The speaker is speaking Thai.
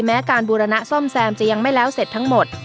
แม้การบูรณะซ่อมแซมจะยังไม่แล้วเสร็จทั้งหมด